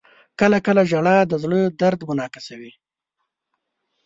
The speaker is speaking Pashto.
• کله کله ژړا د زړه درد منعکسوي.